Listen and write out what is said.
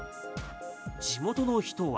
地元の人は。